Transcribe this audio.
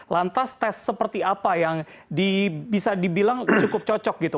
lantas tes seperti apa yang bisa dibilang cukup cocok gitu